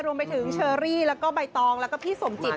รวมไปถึงเชอรี่แล้วก็ใบตองแล้วก็พี่สมจิต